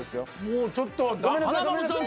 もうちょっと華丸さん